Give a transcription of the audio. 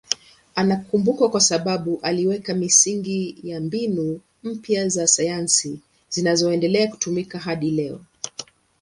Anakumbukwa kwa sababu aliweka misingi ya mbinu mpya za sayansi zinazoendelea kutumika hadi leo.